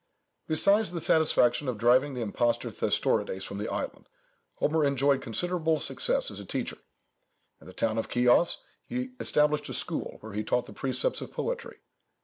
Besides the satisfaction of driving the impostor Thestorides from the island, Homer enjoyed considerable success as a teacher. In the town of Chios he established a school where he taught the precepts of poetry.